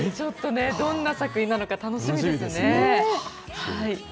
どんな作品なのか楽しみですね。